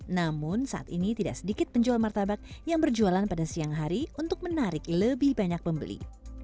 namun saat ini tidak sedikit penjual martabak yang berjualan pada siang hari untuk menarik lebih banyak pembeli